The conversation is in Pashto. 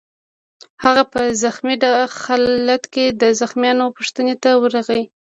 هغه په زخمي خالت کې د زخمیانو پوښتنې ته ورغی